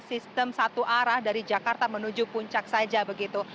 sistem satu arah dari jakarta menuju puncak saja begitu